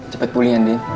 cepet pulih ya din